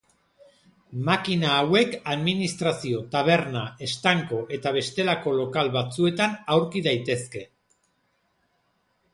Makina hauek administrazio, taberna, estanko eta bestelako lokal batzuetan aurki daitezke.